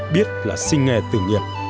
biết là sinh nghề tử nghiệp